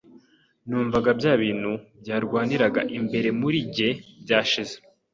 Numvaga bya bintu byarwaniraga imbere muri jye byashize.